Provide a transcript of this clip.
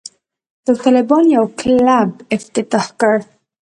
داوطلبانو یو کلب افتتاح کړ.